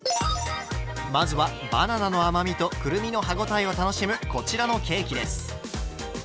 まずはバナナの甘みとくるみの歯応えを楽しむこちらのケーキです。